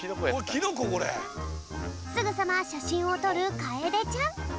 すぐさましゃしんをとるかえでちゃん。